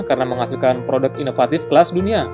karena menghasilkan produk inovatif kelas dunia